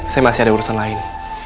saya masih ada urusan lain